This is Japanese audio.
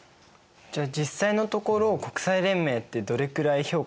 じゃあ実際のところ国際連盟ってどれくらい評価されてたんですか。